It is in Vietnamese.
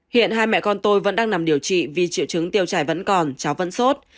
hiện hai mẹ con tôi vẫn đang nằm điều trị vì triệu chứng tiêu chảy vẫn còn cháu vẫn sốt